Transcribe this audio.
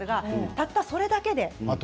たったそれだけで。